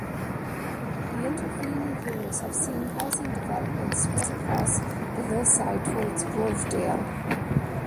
The intervening years have seen housing developments spread across the hillside towards Grovedale.